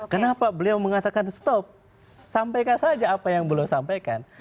kenapa beliau mengatakan stop sampaikan saja apa yang beliau sampaikan